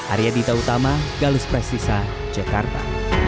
arya dita utama galus prestisa jakarta